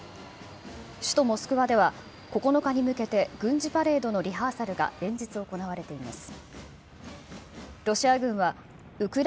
首都モスクワでは、９日に向けて、軍事パレードのリハーサルが連日行われています。